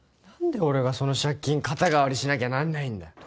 何で俺がその借金肩代わりしなきゃなんないんだ。